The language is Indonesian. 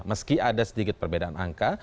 meski ada sedikit perbedaan angka